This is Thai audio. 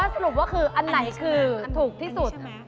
สรุปว่าคืออันไหนคือถูกที่สุด